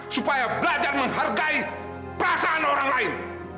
supaya belajar menghargai perasaan orang lain